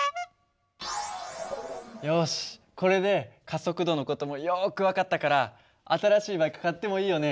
よしこれで加速度の事もよく分かったから新しいバイク買ってもいいよね？